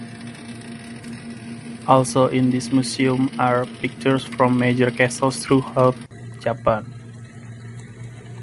Also in this museum are pictures from major castles throughout Japan.